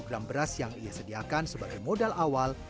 tiga ratus kg beras yang ia sediakan sebagai modal awal